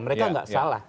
mereka nggak salah